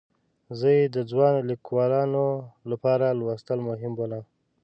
زه یې د ځوانو لیکوالو لپاره لوستل مهم بولم.